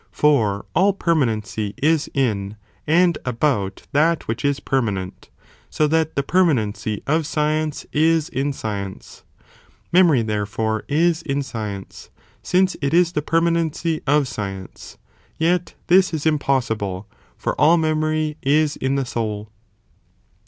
For all permanency is in, and about, that which is permanent, so that the permanency of science is in science ; memory therefore is in science, since it is the permanency of science, yet this is impossible, for all memory is in the soul.'